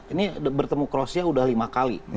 ini bertemu kroasia sudah lima kali